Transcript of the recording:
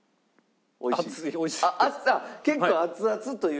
結構熱々という。